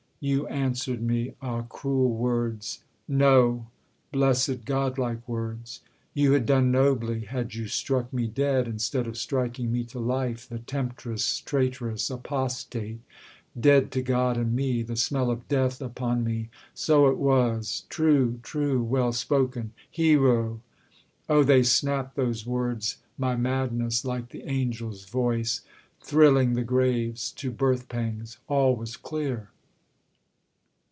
You answered me. ... Ah cruel words! No! Blessed, godlike words. You had done nobly had you struck me dead, Instead of striking me to life! the temptress! ... 'Traitress! apostate! dead to God and me!' 'The smell of death upon me?' so it was! True! true! well spoken, hero! Oh they snapped, Those words, my madness, like the angel's voice Thrilling the graves to birth pangs. All was clear.